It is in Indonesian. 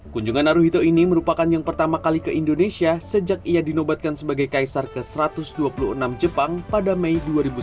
kunjungan naruhito ini merupakan yang pertama kali ke indonesia sejak ia dinobatkan sebagai kaisar ke satu ratus dua puluh enam jepang pada mei dua ribu sembilan belas